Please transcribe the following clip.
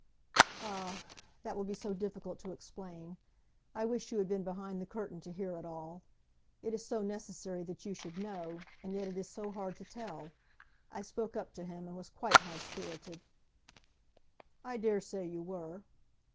"Ah, that will be so difficult to explain. I wish you had been behind the curtain to hear it all. It is so necessary that you should know, and yet it is so hard to tell. I spoke up to him, and was quite high spirited." "I daresay you were."